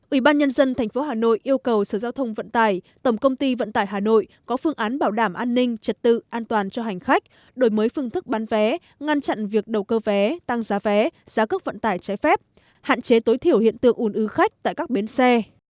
ủy ban nhân dân tp hà nội yêu cầu sở giao thông vận tải tổng công ty vận tải hà nội có phương án bảo đảm an ninh trật tự an toàn cho hành khách đổi mới phương thức bán vé ngăn chặn việc đầu cơ vé tăng giá vé giá cước vận tải trái phép hạn chế tối thiểu hiện tượng ủn ứ khách tại các bến xe